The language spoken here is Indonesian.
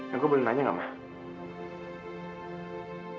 ya gue boleh nanya gak mah